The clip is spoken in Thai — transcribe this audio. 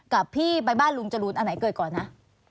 กับพี่ไปบ้านลุงจรูนอันไหนเกิดก่อนนะ